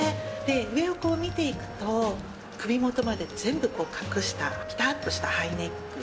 上をこう見ていくと、首元まで全部隠した、ぴたっとしたハイネック。